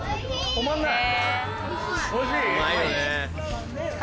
止まんない？